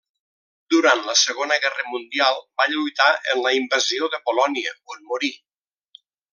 Durant la Segona Guerra Mundial va lluitar en la invasió de Polònia, on morí.